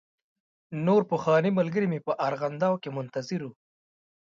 نور پخواني ملګري مې په ارغنداو کې منتظر و.